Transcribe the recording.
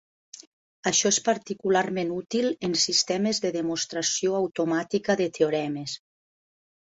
Això és particularment útil en sistemes de demostració automàtica de teoremes.